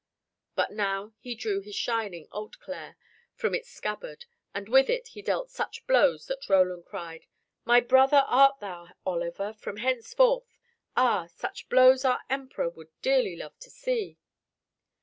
But now he drew his shining Hauteclere from its scabbard, and with it he dealt such blows that Roland cried, "My brother art thou, Oliver, from henceforth. Ah! such blows our Emperor would dearly love to see."